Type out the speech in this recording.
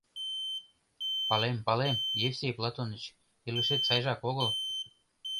— Палем, палем, Евсей Платоныч, илышет сайжак огыл!